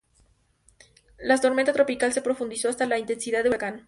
La tormenta tropical se profundizó hasta la intensidad de huracán.